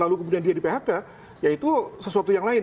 lalu kemudian dia di phk ya itu sesuatu yang lain